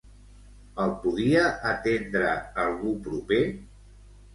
El podia atendre algú proper?